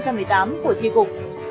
của di cục